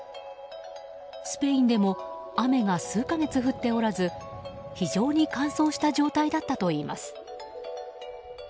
スペインでも雨が数か月降っておらず非常に乾燥した状態だったといいます。